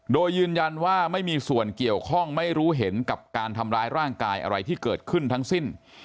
โดยยืนยันว่าไม่มีส่วนเกี่ยวข้องไม่รู้เห็นกับการทำร้ายร่างกายอะไรที่เกิดขึ้นทั้งสิ้น